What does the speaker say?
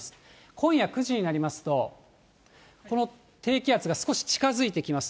今夜９時になりますと、この低気圧が少し近づいてきます。